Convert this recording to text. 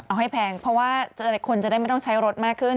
เอาให้แพงเพราะว่าคนจะได้ไม่ต้องใช้รถมากขึ้น